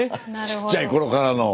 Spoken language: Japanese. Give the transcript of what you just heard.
ちっちゃい頃からの。